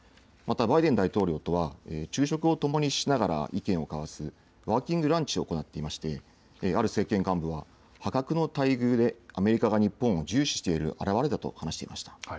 またバイデン大統領とは昼食を共にしながら意見を交わすワーキングランチを行っていましてある政権幹部は、破格の待遇でアメリカが日本を重視している表れだと話していました。